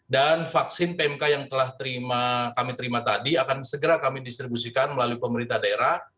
dan vaksin pmk yang telah kami terima tadi akan segera kami distribusikan melalui pemerintah daerah